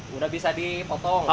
sudah bisa dipotong